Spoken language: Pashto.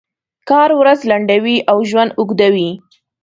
کار ورځ لنډوي او ژوند اوږدوي.